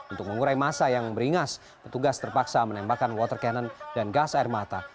untuk mengurai masa yang beringas petugas terpaksa menembakkan water cannon dan gas air mata